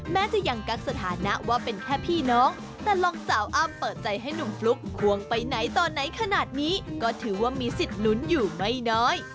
แม้จะยังกักสถานะว่าเป็นแค่พี่น้องแต่ลองสาวอ้ำเปิดใจให้หนุ่มฟลุ๊กควงไปไหนต่อไหนขนาดนี้ก็ถือว่ามีสิทธิ์ลุ้นอยู่ไม่น้อย